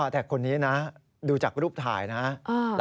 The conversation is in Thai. แต่คนนี้นะดูจากรูปถ่ายนะ